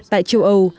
tại châu âu